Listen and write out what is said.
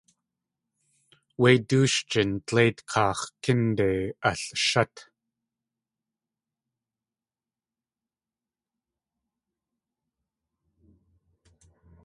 Wé dóosh jín dleit kaax̲ kínde alshát.